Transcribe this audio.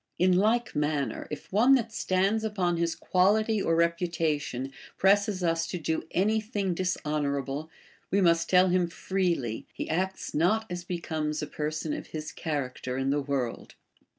In like manner, if one that stands upon his qiuiHty or reputation presses us to do any thing dishon orable, wo must tell him freely, he acts not as becomes a person of his cliaracter in the world.